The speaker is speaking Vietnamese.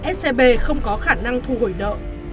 scb không có khả năng thu hủy nợ